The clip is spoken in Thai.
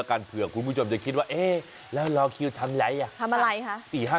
ก็คุยกับมันไปสิมันตอบตลอดอะ